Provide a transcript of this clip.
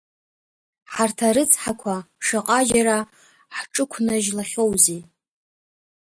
Ҳарҭ арыцҳақәа, шаҟаџьара ҳҿықәнажьлахьоузеи!